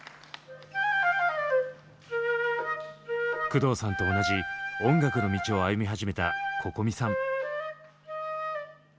工藤さんと同じ音楽の道を歩み始めたＣｏｃｏｍｉさん。